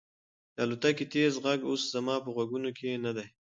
د الوتکې تېز غږ اوس زما په غوږونو کې نه دی.